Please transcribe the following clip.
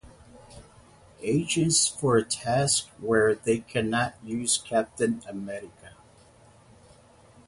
Agent for tasks where they cannot use Captain America.